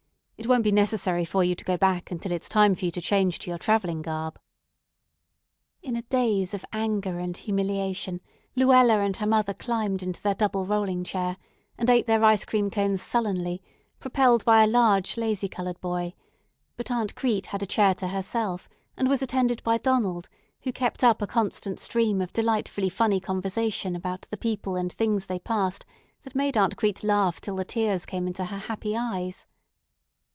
It won't be necessary for you to go back until it's time for you to change to your travelling garb." In a daze of anger and humiliation Luella and her mother climbed into their double rolling chair, and ate their ice cream cones sullenly, propelled by a large, lazy colored boy; but Aunt Crete had a chair to herself, and was attended by Donald, who kept up a constant stream of delightfully funny conversation about the people and things they passed that made Aunt Crete laugh until the tears came into her happy eyes.